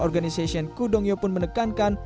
organisasi kudongyo pun menekankan